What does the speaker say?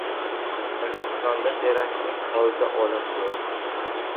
Hindistonda teraktning oldi olindi